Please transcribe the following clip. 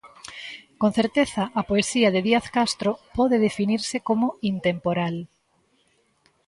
Con certeza a poesía de Díaz Castro pode definirse como intemporal.